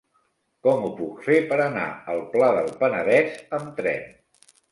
Com ho puc fer per anar al Pla del Penedès amb tren?